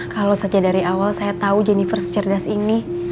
kalau sejak dari awal saya tahu jennifer secerdas ini